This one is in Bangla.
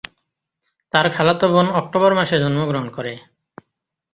তার খালাতো বোন অক্টোবর মাসে জন্মগ্রহণ করে।